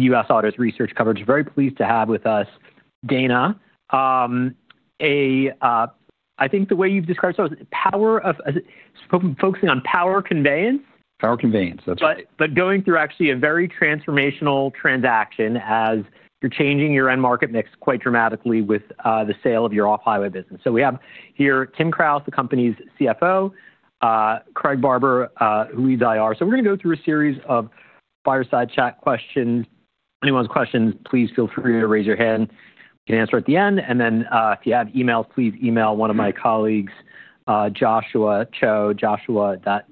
U.S. Auto's research coverage. Very pleased to have with us, Dana. I think the way you've described it, so it's power of, focusing on power conveyance? Power conveyance, that's right. Going through actually a very transformational transaction as you're changing your end market mix quite dramatically with the sale of your off-highway business. We have here Tim Kraus, the company's CFO, Craig Barber, who we DIR. We are going to go through a series of fireside chat questions. Anyone's questions, please feel free to raise your hand. We can answer at the end. If you have emails, please email one of my colleagues, Joshua Cho, joshua.cho,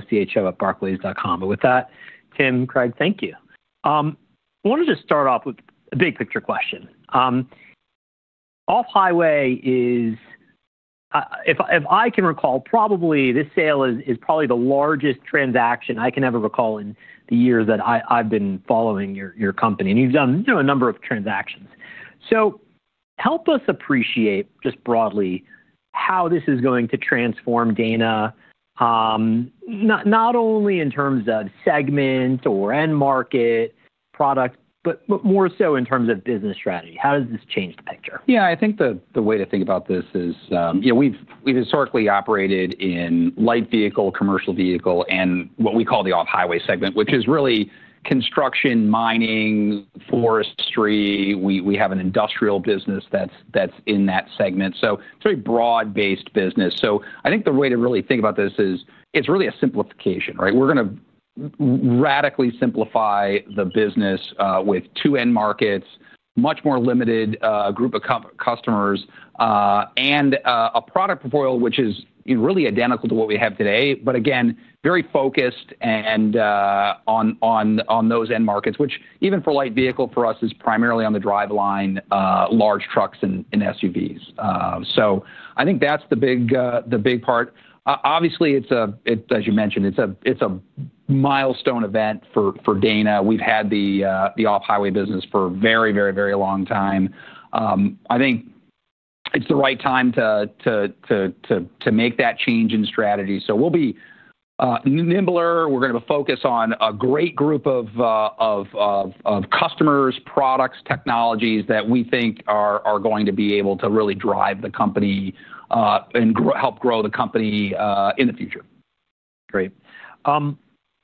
ch-o-ch@barclays.com. With that, Tim, Craig, thank you. I wanted to start off with a big picture question. Off-highway is, if I can recall, probably this sale is probably the largest transaction I can ever recall in the years that I've been following your company. You have done a number of transactions. Help us appreciate just broadly how this is going to transform Dana, not only in terms of segment or end market product, but more so in terms of business strategy. How does this change the picture? Yeah, I think the way to think about this is, you know, we've historically operated in light vehicle, commercial vehicle, and what we call the off-highway segment, which is really construction, mining, forestry. We have an industrial business that's in that segment. It's a very broad-based business. I think the way to really think about this is it's really a simplification, right? We're going to radically simplify the business with two end markets, much more limited group of customers, and a product portfolio which is really identical to what we have today, but again, very focused on those end markets, which even for light vehicle for us is primarily on the driveline, large trucks and SUVs. I think that's the big part. Obviously, as you mentioned, it's a milestone event for Dana. We've had the off-highway business for a very, very, very long time. I think it's the right time to make that change in strategy. We'll be nimbler. We're going to focus on a great group of customers, products, technologies that we think are going to be able to really drive the company and help grow the company in the future. Great.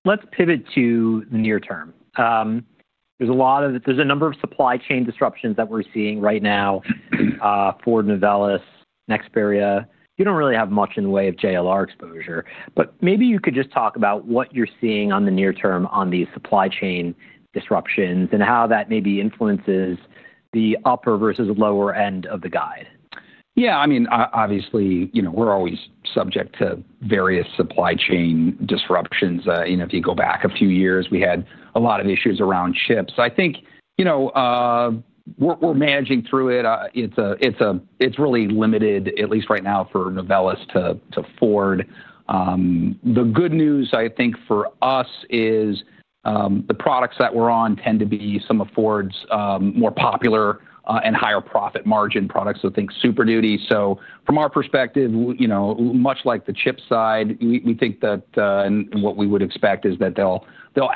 Let's pivot to the near term. There's a number of supply chain disruptions that we're seeing right now for Novelis, Nexteer. You don't really have much in the way of JLR exposure, but maybe you could just talk about what you're seeing on the near term on these supply chain disruptions and how that maybe influences the upper versus lower end of the guide. Yeah, I mean, obviously, you know, we're always subject to various supply chain disruptions. You know, if you go back a few years, we had a lot of issues around chips. I think, you know, we're managing through it. It's really limited, at least right now for Novelis, to Ford. The good news, I think, for us is the products that we're on tend to be some of Ford's more popular and higher profit margin products. You know, think Super Duty. From our perspective, you know, much like the chip side, we think that what we would expect is that they'll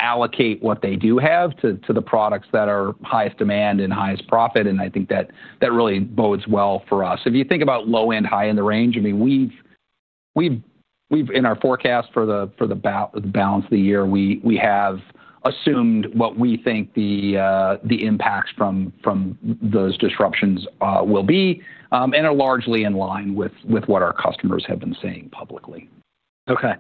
allocate what they do have to the products that are highest demand and highest profit. I think that really bodes well for us. If you think about low end, high end of range, I mean, we've in our forecast for the balance of the year, we have assumed what we think the impacts from those disruptions will be and are largely in line with what our customers have been saying publicly. Okay.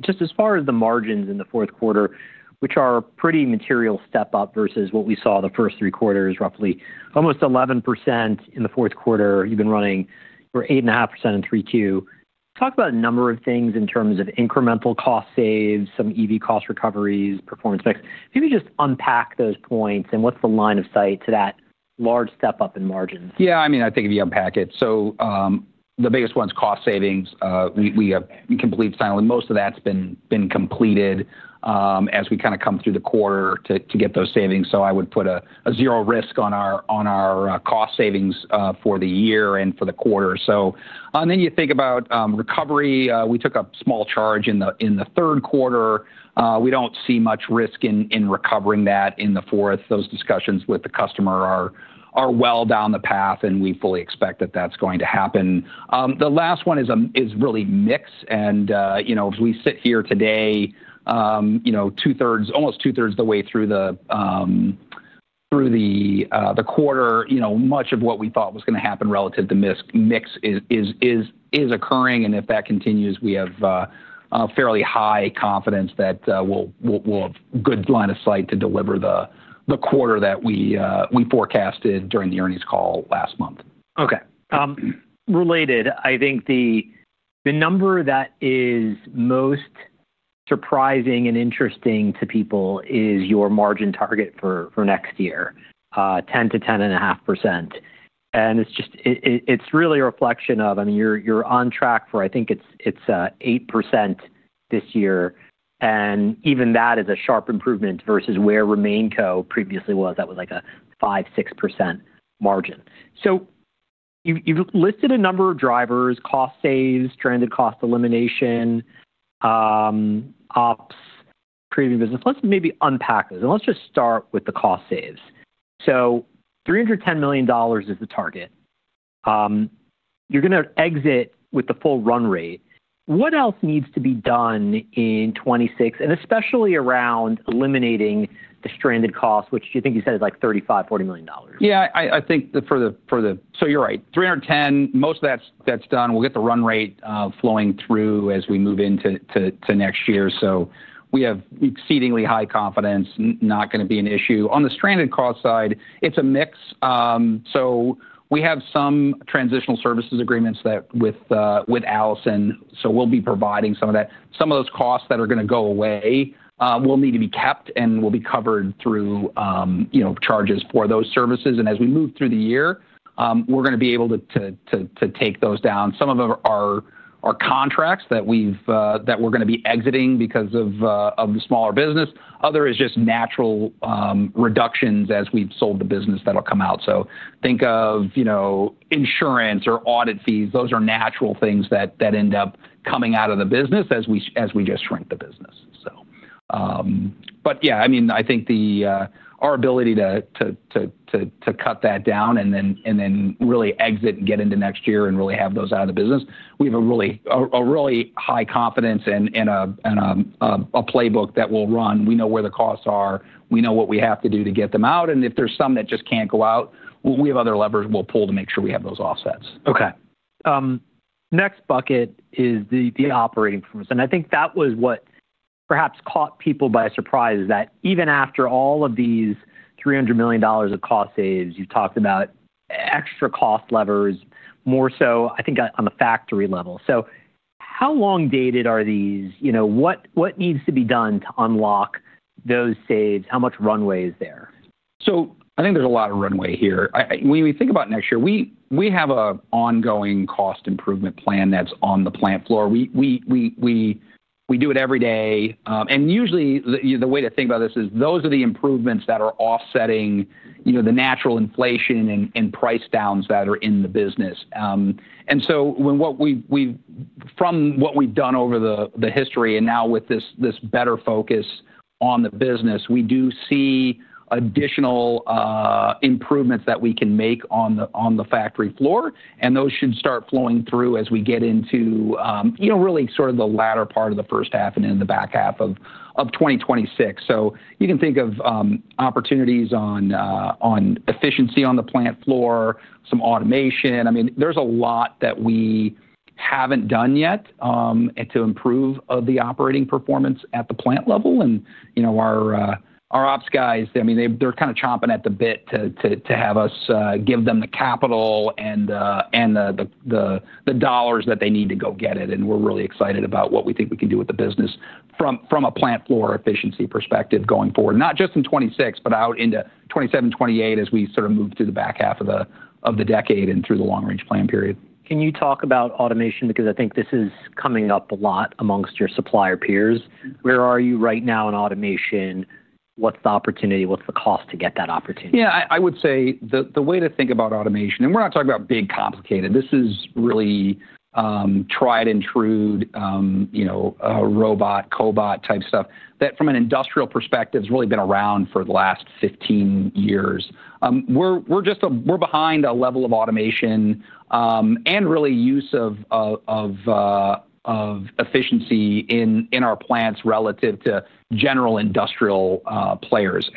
Just as far as the margins in the fourth quarter, which are a pretty material step up versus what we saw the first three quarters, roughly almost 11% in the fourth quarter, you've been running for 8.5% in three Q. Talk about a number of things in terms of incremental cost saves, some EV cost recoveries, performance mix. Maybe just unpack those points and what's the line of sight to that large step up in margins. Yeah, I mean, I think if you unpack it, the biggest one is cost savings. We have complete sign-on. Most of that's been completed as we kind of come through the quarter to get those savings. I would put a zero risk on our cost savings for the year and for the quarter. You think about recovery. We took a small charge in the third quarter. We don't see much risk in recovering that in the fourth. Those discussions with the customer are well down the path, and we fully expect that that's going to happen. The last one is really mix. And, you know, as we sit here today, you know, almost two thirds of the way through the quarter, much of what we thought was going to happen relative to mix is occurring. If that continues, we have fairly high confidence that we'll have a good line of sight to deliver the quarter that we forecasted during the earnings call last month. Okay. Related, I think the number that is most surprising and interesting to people is your margin target for next year, 10-10.5%. It's just, it's really a reflection of, I mean, you're on track for, I think it's 8% this year. Even that is a sharp improvement versus where RemainCo previously was. That was like a 5-6% margin. You've listed a number of drivers: cost saves, stranded cost elimination, ops, premium business. Let's maybe unpack those. Let's just start with the cost saves. $310 million is the target. You're going to exit with the full run rate. What else needs to be done in 2026, and especially around eliminating the stranded cost, which you think you said is like $35-$40 million? Yeah, I think for the, so you're right, $310 million, most of that's done. We'll get the run rate flowing through as we move into next year. We have exceedingly high confidence, not going to be an issue. On the stranded cost side, it's a mix. We have some Transitional Services Agreements with Allison. We'll be providing some of that. Some of those costs that are going to go away will need to be kept and will be covered through charges for those services. As we move through the year, we're going to be able to take those down. Some of our contracts that we're going to be exiting because of the smaller business, other is just natural reductions as we've sold the business that'll come out. Think of, you know, insurance or audit fees. Those are natural things that end up coming out of the business as we just shrink the business. Yeah, I mean, I think our ability to cut that down and then really exit and get into next year and really have those out of the business, we have a really high confidence in a playbook that we'll run. We know where the costs are. We know what we have to do to get them out. If there's some that just can't go out, we have other levers we'll pull to make sure we have those offsets. Okay. Next bucket is the operating performance. I think that was what perhaps caught people by surprise is that even after all of these $300 million of cost saves, you've talked about extra cost levers more so, I think, on the factory level. How long dated are these? You know, what needs to be done to unlock those saves? How much runway is there? I think there's a lot of runway here. When we think about next year, we have an ongoing cost improvement plan that's on the plant floor. We do it every day. Usually the way to think about this is those are the improvements that are offsetting the natural inflation and price downs that are in the business. From what we've done over the history and now with this better focus on the business, we do see additional improvements that we can make on the factory floor. Those should start flowing through as we get into, you know, really sort of the latter part of the first half and into the back half of 2026. You can think of opportunities on efficiency on the plant floor, some automation. I mean, there's a lot that we haven't done yet to improve the operating performance at the plant level. You know, our ops guys, I mean, they're kind of chomping at the bit to have us give them the capital and the dollars that they need to go get it. We're really excited about what we think we can do with the business from a plant floor efficiency perspective going forward, not just in 2026, but out into 2027, 2028 as we sort of move through the back half of the decade and through the long range plan period. Can you talk about automation? Because I think this is coming up a lot amongst your supplier peers. Where are you right now in automation? What's the opportunity? What's the cost to get that opportunity? Yeah, I would say the way to think about automation, and we're not talking about big complicated, this is really tried and true, you know, robot, cobot type stuff that from an industrial perspective has really been around for the last 15 years. We're behind a level of automation and really use of efficiency in our plants relative to general industrial players.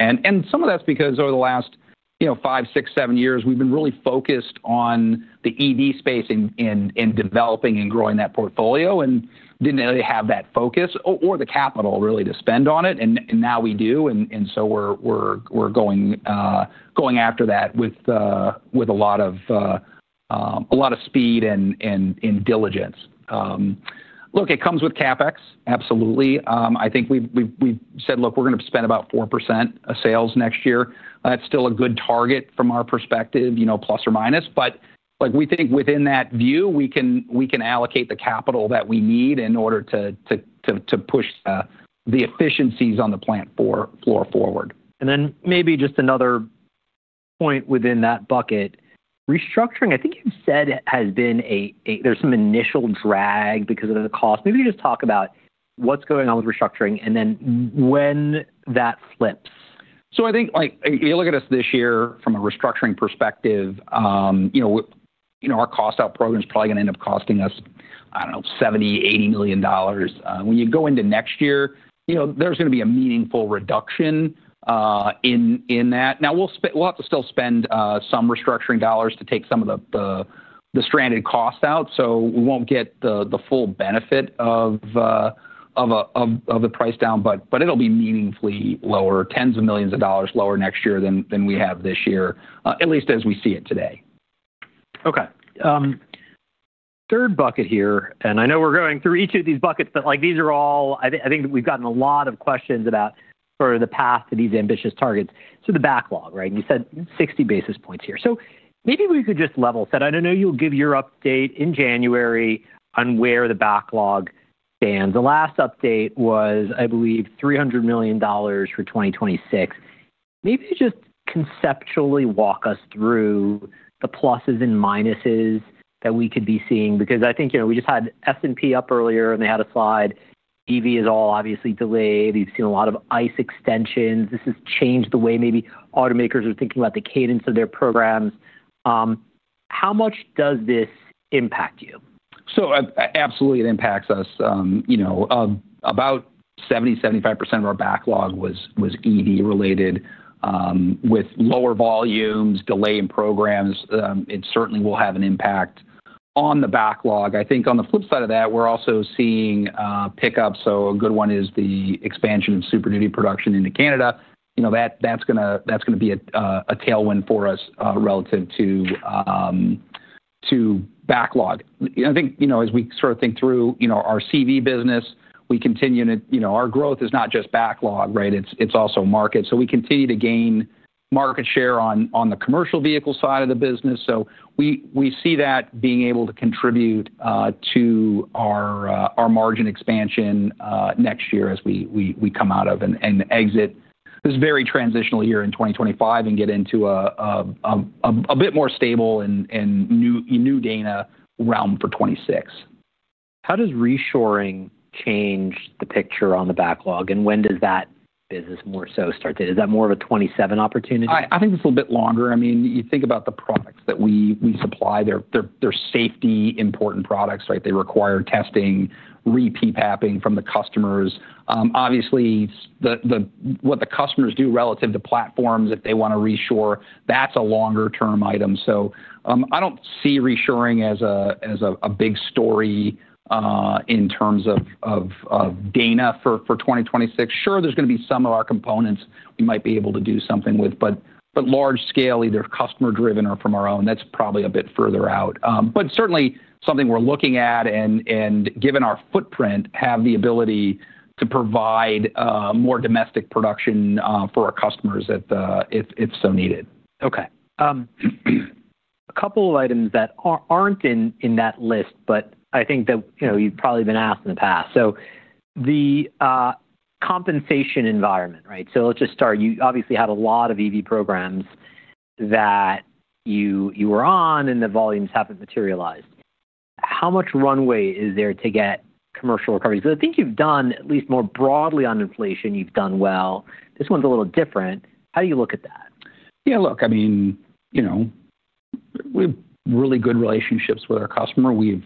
Some of that's because over the last, you know, five, six, seven years, we've been really focused on the EV space in developing and growing that portfolio and didn't really have that focus or the capital really to spend on it. Now we do. We're going after that with a lot of speed and diligence. Look, it comes with CapEx, absolutely. I think we've said, look, we're going to spend about 4% of sales next year. That's still a good target from our perspective, you know, plus or minus. We think within that view, we can allocate the capital that we need in order to push the efficiencies on the plant floor forward. Maybe just another point within that bucket, restructuring, I think you've said has been a, there's some initial drag because of the cost. Maybe you just talk about what's going on with restructuring and then when that flips. I think you look at us this year from a restructuring perspective, you know, our cost out program is probably going to end up costing us, I don't know, $70-$80 million. When you go into next year, you know, there's going to be a meaningful reduction in that. Now we'll have to still spend some restructuring dollars to take some of the stranded cost out. So we won't get the full benefit of the price down, but it'll be meaningfully lower, tens of millions of dollars lower next year than we have this year, at least as we see it today. Okay. Third bucket here, and I know we're going through each of these buckets, but like these are all, I think we've gotten a lot of questions about sort of the path to these ambitious targets. So the backlog, right? You said 60 basis points here. Maybe we could just level set. I know you'll give your update in January on where the backlog stands. The last update was, I believe, $300 million for 2026. Maybe just conceptually walk us through the pluses and minuses that we could be seeing because I think, you know, we just had S&P up earlier and they had a slide. EV is all obviously delayed. You've seen a lot of ICE extensions. This has changed the way maybe automakers are thinking about the cadence of their programs. How much does this impact you? Absolutely it impacts us. You know, about 70-75% of our backlog was EV related with lower volumes, delay in programs. It certainly will have an impact on the backlog. I think on the flip side of that, we're also seeing pickup. A good one is the expansion of Super Duty production into Canada. You know, that's going to be a tailwind for us relative to backlog. I think, you know, as we sort of think through, you know, our CV business, we continue to, you know, our growth is not just backlog, right? It's also market. We continue to gain market share on the commercial vehicle side of the business. We see that being able to contribute to our margin expansion next year as we come out of and exit this very transitional year in 2025 and get into a bit more stable and new Dana realm for 2026. How does reshoring change the picture on the backlog? When does that business more so start to, is that more of a 2027 opportunity? I think it's a little bit longer. I mean, you think about the products that we supply. They're safety important products, right? They require testing, repeat papping from the customers. Obviously, what the customers do relative to platforms, if they want to reshore, that's a longer term item. I don't see reshoring as a big story in terms of Dana for 2026. Sure, there's going to be some of our components we might be able to do something with, but large scale, either customer driven or from our own, that's probably a bit further out. Certainly something we're looking at and given our footprint, have the ability to provide more domestic production for our customers if so needed. Okay. A couple of items that are not in that list, but I think that you have probably been asked in the past. The compensation environment, right? Let us just start. You obviously had a lot of EV programs that you were on and the volumes have not materialized. How much runway is there to get commercial recovery? Because I think you have done at least more broadly on inflation, you have done well. This one is a little different. How do you look at that? Yeah, look, I mean, you know, we have really good relationships with our customer. We have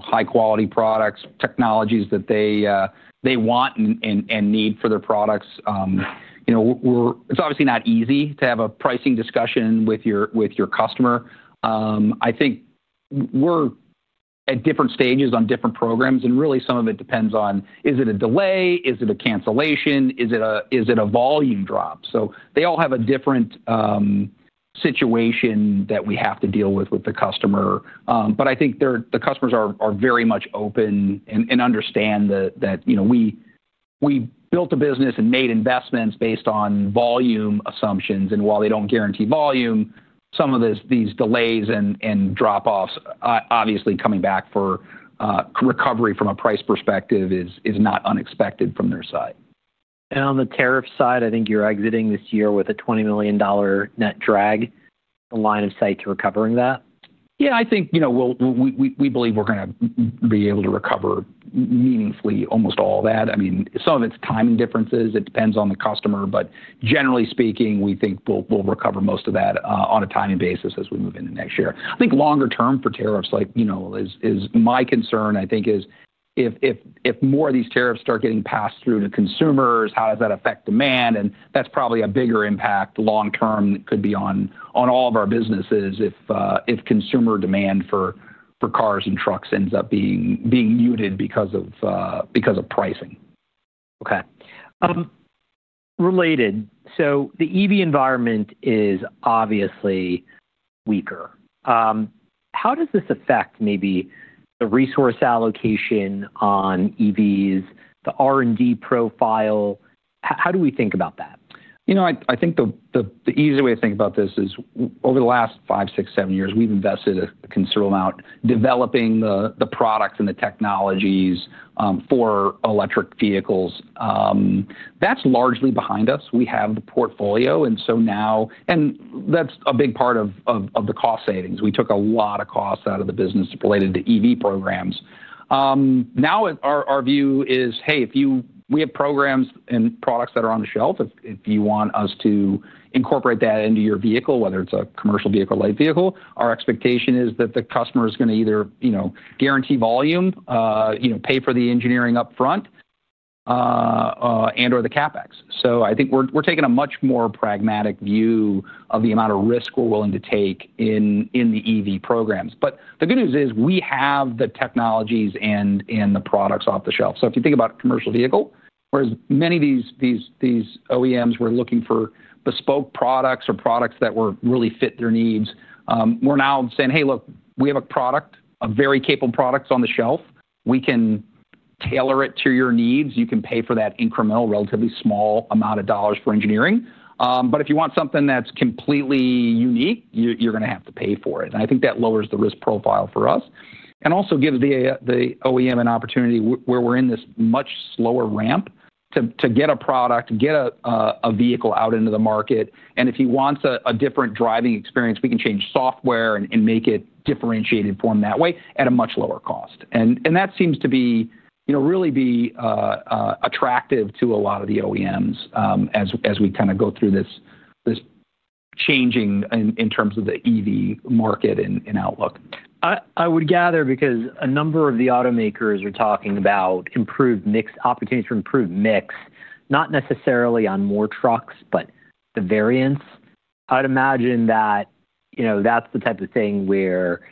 high quality products, technologies that they want and need for their products. You know, it's obviously not easy to have a pricing discussion with your customer. I think we're at different stages on different programs. Really some of it depends on, is it a delay? Is it a cancellation? Is it a volume drop? They all have a different situation that we have to deal with with the customer. I think the customers are very much open and understand that, you know, we built a business and made investments based on volume assumptions. While they do not guarantee volume, some of these delays and drop-offs, obviously coming back for recovery from a price perspective is not unexpected from their side. On the tariff side, I think you're exiting this year with a $20 million net drag. The line of sight to recovering that? Yeah, I think, you know, we believe we're going to be able to recover meaningfully almost all that. I mean, some of it's timing differences. It depends on the customer. Generally speaking, we think we'll recover most of that on a timing basis as we move into next year. I think longer term for tariffs, like, you know, my concern, I think, is if more of these tariffs start getting passed through to consumers, how does that affect demand? That's probably a bigger impact long term that could be on all of our businesses if consumer demand for cars and trucks ends up being muted because of pricing. Okay. Related. The EV environment is obviously weaker. How does this affect maybe the resource allocation on EVs, the R&D profile? How do we think about that? You know, I think the easy way to think about this is over the last five, six, seven years, we've invested a considerable amount developing the products and the technologies for electric vehicles. That's largely behind us. We have the portfolio. You know, that's a big part of the cost savings. We took a lot of costs out of the business related to EV programs. Now our view is, hey, if you, we have programs and products that are on the shelf. If you want us to incorporate that into your vehicle, whether it's a commercial vehicle or light vehicle, our expectation is that the customer is going to either, you know, guarantee volume, you know, pay for the engineering upfront, and/or the CapEx. I think we're taking a much more pragmatic view of the amount of risk we're willing to take in the EV programs. The good news is we have the technologies and the products off the shelf. If you think about commercial vehicle, whereas many of these OEMs were looking for bespoke products or products that really fit their needs, we're now saying, hey, look, we have a product, a very capable product on the shelf. We can tailor it to your needs. You can pay for that incremental, relatively small amount of dollars for engineering. If you want something that's completely unique, you're going to have to pay for it. I think that lowers the risk profile for us and also gives the OEM an opportunity where we're in this much slower ramp to get a product, get a vehicle out into the market. If he wants a different driving experience, we can change software and make it differentiated from that way at a much lower cost. That seems to be, you know, really be attractive to a lot of the OEMs as we kind of go through this changing in terms of the EV market and outlook. I would gather because a number of the automakers are talking about opportunities for improved mix, not necessarily on more trucks, but the variants. I'd imagine that, you know, that's the type of thing where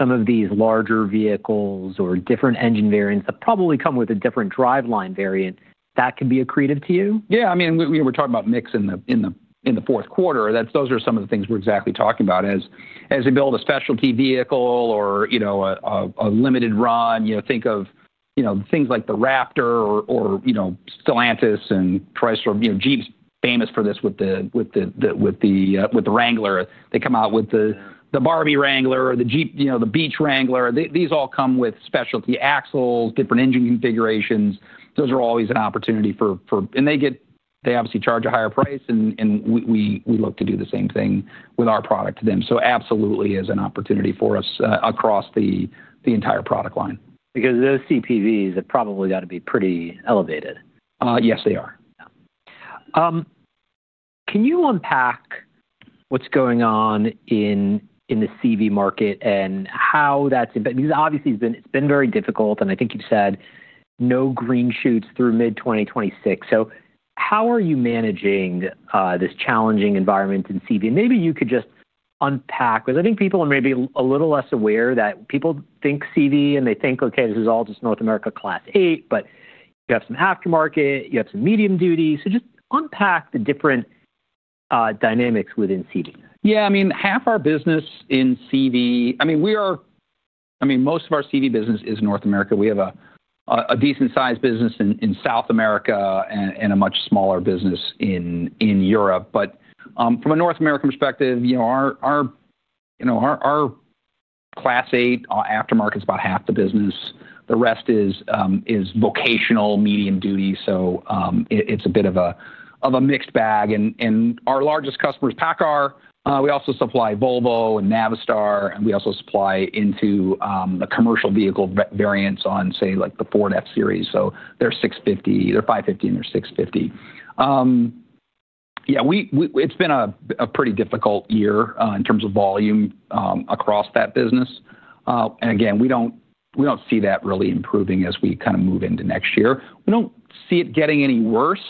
some of these larger vehicles or different engine variants that probably come with a different driveline variant, that can be accretive to you? Yeah, I mean, we're talking about mix in the fourth quarter. Those are some of the things we're exactly talking about as we build a specialty vehicle or, you know, a limited run. You know, think of, you know, things like the Raptor or, you know, Stellantis and Chrysler, you know, Jeep's famous for this with the Wrangler. They come out with the Barbie Wrangler, the Jeep, you know, the Beach Wrangler. These all come with specialty axles, different engine configurations. Those are always an opportunity for, and they get, they obviously charge a higher price. We look to do the same thing with our product to them. Absolutely is an opportunity for us across the entire product line. Because those CPVs have probably got to be pretty elevated. Yes, they are. Can you unpack what's going on in the CV market and how that's impacted? Because obviously it's been very difficult. I think you've said no green shoots through mid-2026. How are you managing this challenging environment in CV? Maybe you could just unpack, because I think people are maybe a little less aware that people think CV and they think, okay, this is all just North America class eight, but you have some aftermarket, you have some medium duty. Just unpack the different dynamics within CV. Yeah, I mean, half our business in CV, I mean, we are, I mean, most of our CV business is North America. We have a decent sized business in South America and a much smaller business in Europe. From a North American perspective, you know, our class eight aftermarket is about half the business. The rest is vocational medium duty. It's a bit of a mixed bag. Our largest customer is PACCAR. We also supply Volvo and Navistar. We also supply into the commercial vehicle variants on, say, like the Ford F-Series. They're 650, they're 550, and they're 650. Yeah, it's been a pretty difficult year in terms of volume across that business. Again, we don't see that really improving as we kind of move into next year. We don't see it getting any worse.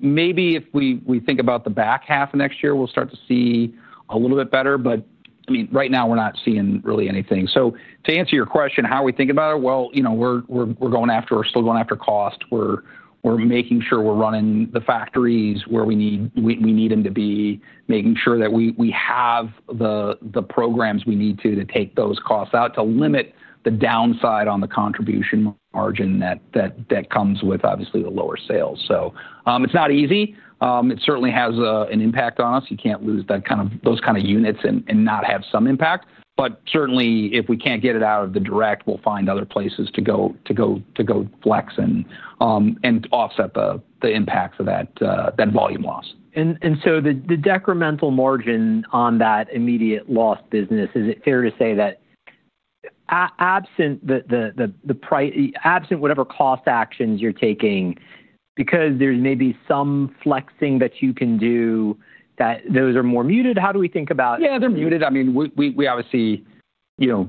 Maybe if we think about the back half of next year, we'll start to see a little bit better. I mean, right now we're not seeing really anything. To answer your question, how are we thinking about it? You know, we're going after, we're still going after cost. We're making sure we're running the factories where we need them to be, making sure that we have the programs we need to take those costs out to limit the downside on the contribution margin that comes with obviously the lower sales. It's not easy. It certainly has an impact on us. You can't lose that kind of, those kind of units and not have some impact. Certainly if we can't get it out of the direct, we'll find other places to go flex and offset the impact of that volume loss. The decremental margin on that immediate loss business, is it fair to say that absent whatever cost actions you're taking, because there's maybe some flexing that you can do, that those are more muted, how do we think about? Yeah, they're muted. I mean, we obviously, you know,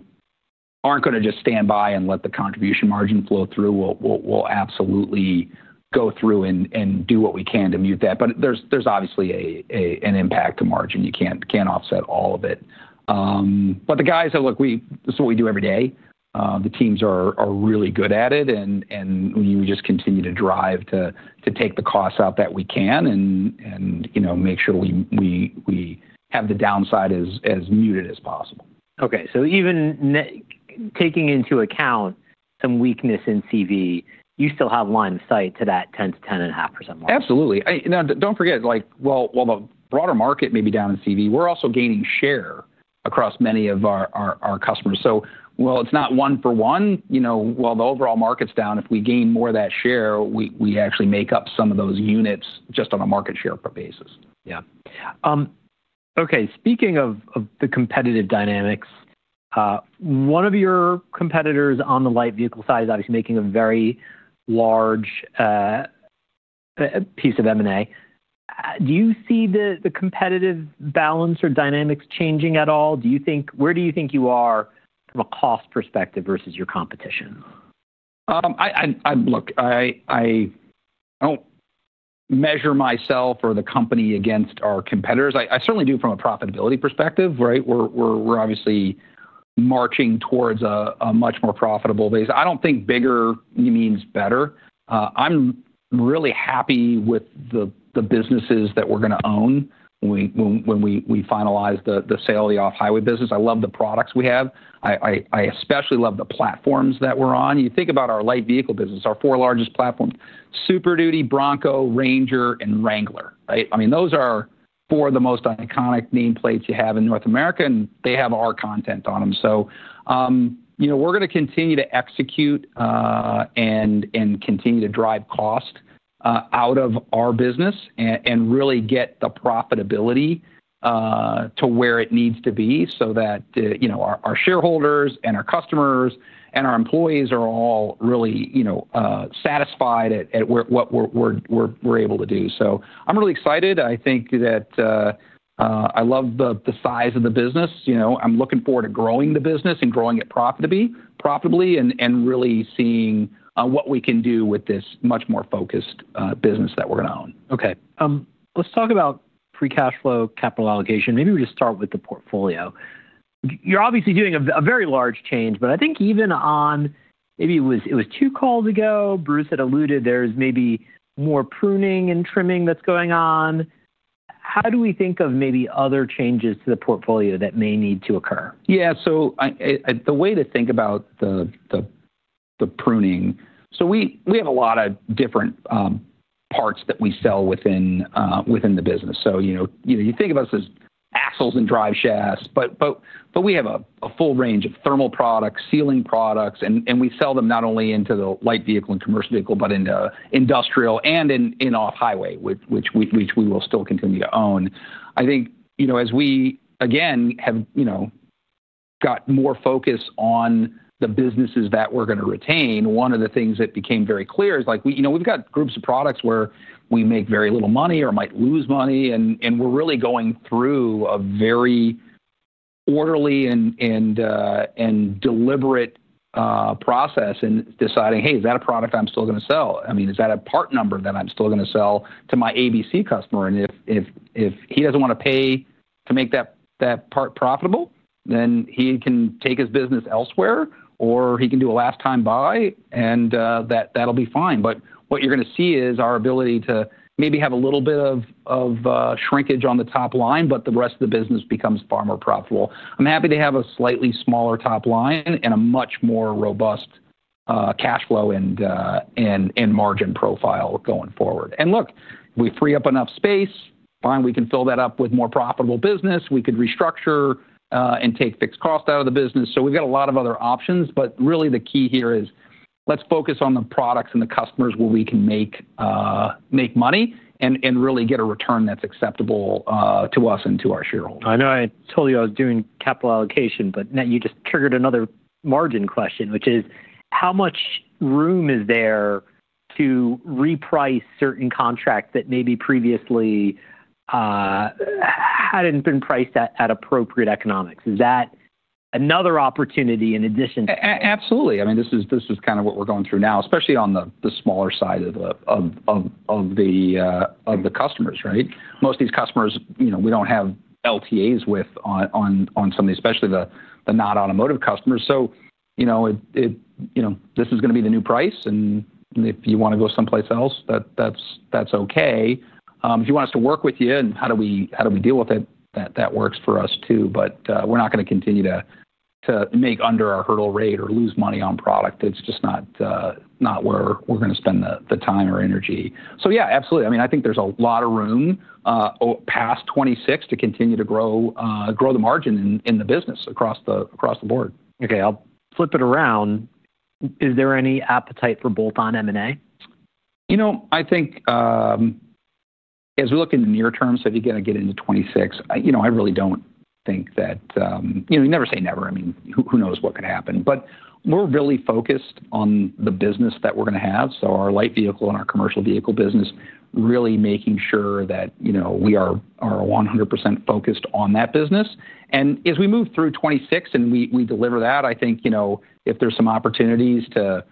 aren't going to just stand by and let the contribution margin flow through. We'll absolutely go through and do what we can to mute that. There's obviously an impact to margin. You can't offset all of it. The guys are, look, this is what we do every day. The teams are really good at it. We just continue to drive to take the costs out that we can and, you know, make sure we have the downside as muted as possible. Okay. Even taking into account some weakness in CV, you still have line of sight to that 10-10.5% margin. Absolutely. Now, don't forget, like while the broader market may be down in CV, we're also gaining share across many of our customers. So while it's not one for one, you know, while the overall market's down, if we gain more of that share, we actually make up some of those units just on a market share basis. Yeah. Okay. Speaking of the competitive dynamics, one of your competitors on the light vehicle side is obviously making a very large piece of M&A. Do you see the competitive balance or dynamics changing at all? Do you think, where do you think you are from a cost perspective versus your competition? Look, I don't measure myself or the company against our competitors. I certainly do from a profitability perspective, right? We're obviously marching towards a much more profitable base. I don't think bigger means better. I'm really happy with the businesses that we're going to own when we finalize the sale of the off-highway business. I love the products we have. I especially love the platforms that we're on. You think about our light vehicle business, our four largest platforms, Super Duty, Bronco, Ranger, and Wrangler, right? I mean, those are four of the most iconic nameplates you have in North America. And they have our content on them. You know, we're going to continue to execute and continue to drive cost out of our business and really get the profitability to where it needs to be so that, you know, our shareholders and our customers and our employees are all really, you know, satisfied at what we're able to do. I'm really excited. I think that I love the size of the business. You know, I'm looking forward to growing the business and growing it profitably and really seeing what we can do with this much more focused business that we're going to own. Okay. Let's talk about free cash flow capital allocation. Maybe we just start with the portfolio. You're obviously doing a very large change, but I think even on, maybe it was two calls ago, Bruce had alluded, there's maybe more pruning and trimming that's going on. How do we think of maybe other changes to the portfolio that may need to occur? Yeah. The way to think about the pruning, we have a lot of different parts that we sell within the business. You know, you think of us as axles and drive shafts, but we have a full range of thermal products, sealing products, and we sell them not only into the light vehicle and commercial vehicle, but into industrial and in off-highway, which we will still continue to own. I think, you know, as we again have, you know, got more focus on the businesses that we're going to retain, one of the things that became very clear is like, you know, we've got groups of products where we make very little money or might lose money. We're really going through a very orderly and deliberate process in deciding, hey, is that a product I'm still going to sell? I mean, is that a part number that I'm still going to sell to my ABC customer? If he doesn't want to pay to make that part profitable, then he can take his business elsewhere or he can do a last time buy and that'll be fine. What you're going to see is our ability to maybe have a little bit of shrinkage on the top line, but the rest of the business becomes far more profitable. I'm happy to have a slightly smaller top line and a much more robust cash flow and margin profile going forward. Look, if we free up enough space, fine, we can fill that up with more profitable business. We could restructure and take fixed cost out of the business. We've got a lot of other options. The key here is let's focus on the products and the customers where we can make money and really get a return that's acceptable to us and to our shareholders. I know I told you I was doing capital allocation, but you just triggered another margin question, which is how much room is there to reprice certain contracts that maybe previously hadn't been priced at appropriate economics? Is that another opportunity in addition? Absolutely. I mean, this is kind of what we're going through now, especially on the smaller side of the customers, right? Most of these customers, you know, we don't have LTAs with on some of these, especially the non-automotive customers. This is going to be the new price. If you want to go someplace else, that's okay. If you want us to work with you and how do we deal with it, that works for us too. We are not going to continue to make under our hurdle rate or lose money on product. It's just not where we're going to spend the time or energy. Yeah, absolutely. I mean, I think there's a lot of room past 2026 to continue to grow the margin in the business across the board. Okay. I'll flip it around. Is there any appetite for bolt-on M&A? You know, I think as we look in the near term, if you're going to get into 2026, you know, I really don't think that, you know, you never say never. I mean, who knows what could happen? We are really focused on the business that we're going to have. Our light vehicle and our commercial vehicle business, really making sure that, you know, we are 100% focused on that business. As we move through 2026 and we deliver that, I think, you know, if there's some opportunities to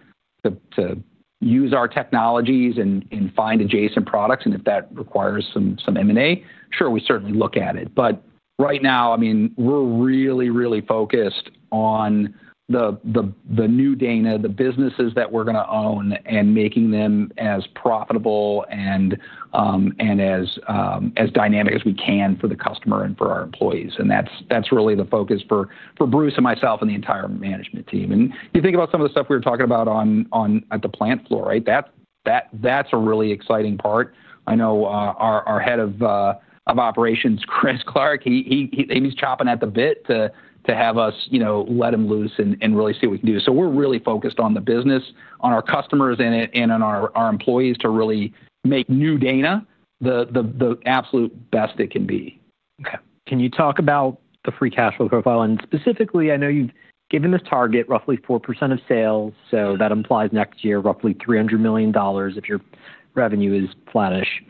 use our technologies and find adjacent products and if that requires some M&A, sure, we certainly look at it. Right now, I mean, we're really, really focused on the new Dana, the businesses that we're going to own and making them as profitable and as dynamic as we can for the customer and for our employees. That is really the focus for Bruce and myself and the entire management team. You think about some of the stuff we were talking about at the plant floor, right? That is a really exciting part. I know our Head of Operations, Chris Clark, is chomping at the bit to have us, you know, let him loose and really see what we can do. We are really focused on the business, on our customers, and on our employees to really make new Dana the absolute best it can be. Okay. Can you talk about the free cash flow profile? And specifically, I know you've given this target roughly 4% of sales. That implies next year roughly $300 million if your revenue is flattish.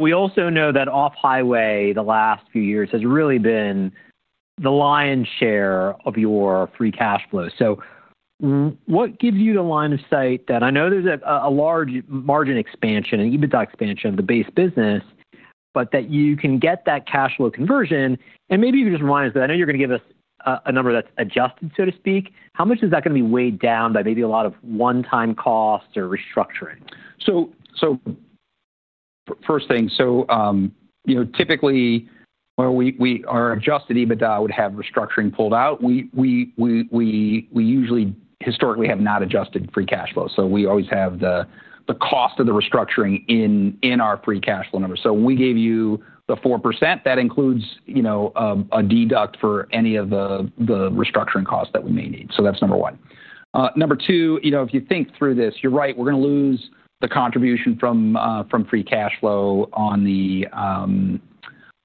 We also know that off-highway the last few years has really been the lion's share of your free cash flow. What gives you the line of sight that I know there's a large margin expansion and even expansion of the base business, but that you can get that cash flow conversion? Maybe you can just remind us that I know you're going to give us a number that's adjusted, so to speak. How much is that going to be weighed down by maybe a lot of one-time costs or restructuring? First thing, you know, typically when we are adjusted, EBITDA would have restructuring pulled out. We usually historically have not adjusted free cash flow. We always have the cost of the restructuring in our free cash flow number. We gave you the 4%. That includes, you know, a deduct for any of the restructuring costs that we may need. That's number one. Number two, you know, if you think through this, you're right, we're going to lose the contribution from free cash flow on the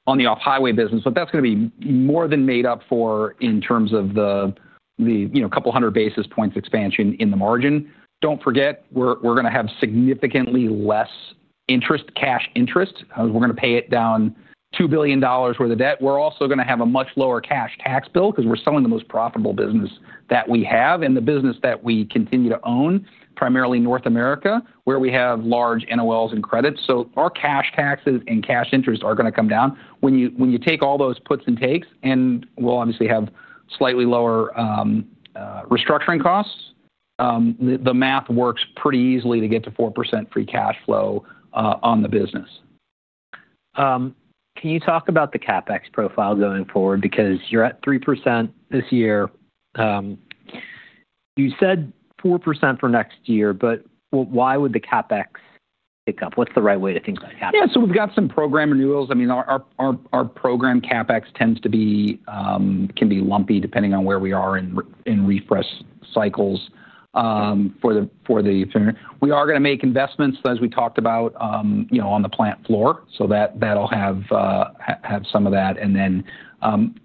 off-highway business, but that's going to be more than made up for in terms of the, you know, couple hundred basis points expansion in the margin. Don't forget, we're going to have significantly less interest, cash interest. We're going to pay it down $2 billion worth of debt. We're also going to have a much lower cash tax bill because we're selling the most profitable business that we have and the business that we continue to own, primarily North America, where we have large NOLs and credits. Our cash taxes and cash interest are going to come down. When you take all those puts and takes, and we'll obviously have slightly lower restructuring costs, the math works pretty easily to get to 4% free cash flow on the business. Can you talk about the CapEx profile going forward? Because you're at 3% this year. You said 4% for next year, but why would the CapEx pick up? What's the right way to think about CapEx? Yeah. So we've got some program renewals. I mean, our program CapEx tends to be, can be lumpy depending on where we are in refresh cycles for the. We are going to make investments, as we talked about, you know, on the plant floor. That'll have some of that.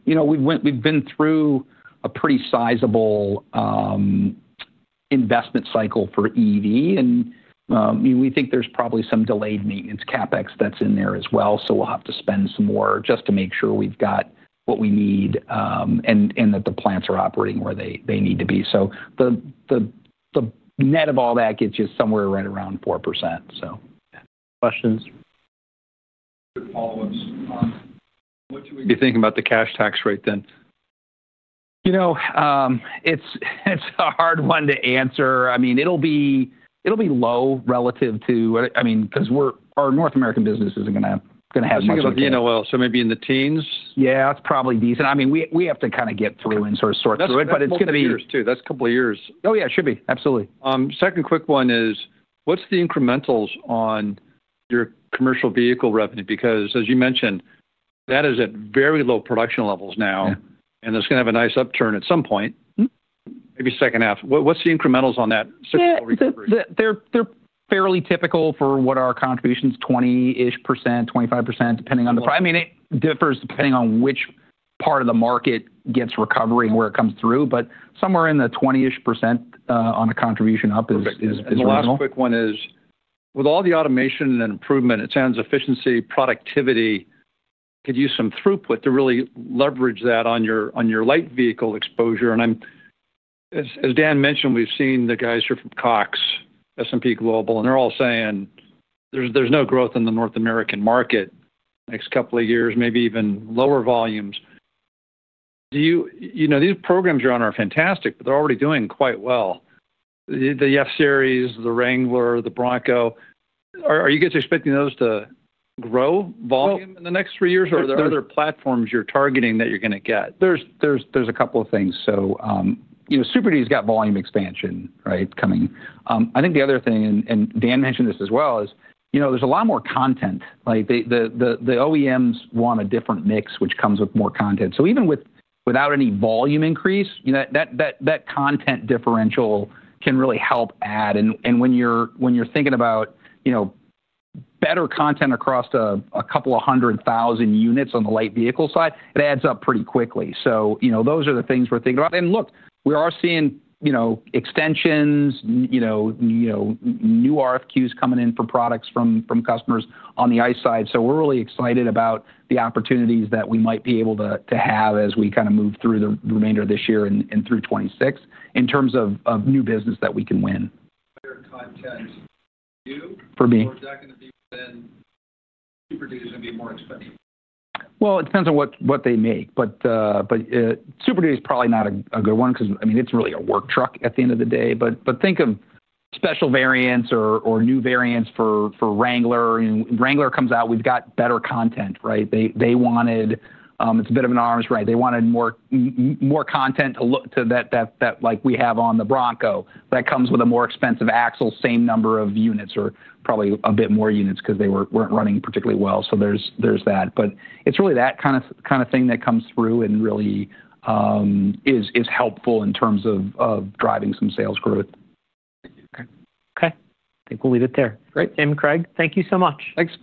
You know, we've been through a pretty sizable investment cycle for EV. We think there's probably some delayed maintenance CapEx that's in there as well. We'll have to spend some more just to make sure we've got what we need and that the plants are operating where they need to be. The net of all that gets you somewhere right around 4%. Questions? You're thinking about the cash tax rate then? You know, it's a hard one to answer. I mean, it'll be low relative to, I mean, because our North American business isn't going to have much of a cash. Maybe in the teens? Yeah, it's probably decent. I mean, we have to kind of get through and sort of sort through it, but it's going to be. That's a couple of years. Oh yeah, it should be. Absolutely. Second quick one is, what's the incrementals on your commercial vehicle revenue? Because as you mentioned, that is at very low production levels now. It's going to have a nice upturn at some point, maybe second half. What's the incrementals on that? They're fairly typical for what our contributions, 20%-25%, depending on the product. I mean, it differs depending on which part of the market gets recovery and where it comes through, but somewhere in the 20% on a contribution up is reasonable. Last quick one is, with all the automation and improvement, it sounds efficiency, productivity, could use some throughput to really leverage that on your light vehicle exposure. As Dan mentioned, we've seen the guys here from Cox S&P Global, and they're all saying there's no growth in the North American market next couple of years, maybe even lower volumes. You know, these programs you're on are fantastic, but they're already doing quite well. The F-Series, the Wrangler, the Bronco, are you guys expecting those to grow volume in the next three years? Or are there other platforms you're targeting that you're going to get? There's a couple of things. You know, Super Duty's got volume expansion, right, coming. I think the other thing, and Dan mentioned this as well, is, you know, there's a lot more content. Like the OEMs want a different mix, which comes with more content. Even without any volume increase, you know, that content differential can really help add. When you're thinking about, you know, better content across a couple of hundred thousand units on the light vehicle side, it adds up pretty quickly. You know, those are the things we're thinking about. Look, we are seeing, you know, extensions, you know, new RFQs coming in for products from customers on the ICE side. We're really excited about the opportunities that we might be able to have as we kind of move through the remainder of this year and through 2026 in terms of new business that we can win. For me, is that going to be then Super Duty's going to be more expensive? It depends on what they make. Super Duty's probably not a good one because, I mean, it's really a work truck at the end of the day. Think of special variants or new variants for Wrangler. Wrangler comes out, we've got better content, right? They wanted, it's a bit of an arms race. They wanted more content to look to that like we have on the Bronco. That comes with a more expensive axle, same number of units, or probably a bit more units because they weren't running particularly well. There's that. It's really that kind of thing that comes through and really is helpful in terms of driving some sales growth. Okay. I think we'll leave it there. Great. Tim, Craig, thank you so much. Thanks.